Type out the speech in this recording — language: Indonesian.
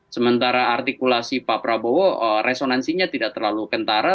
sementara artikulasi pak prabowo resonansinya tidak terlalu kentara